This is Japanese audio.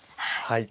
はい。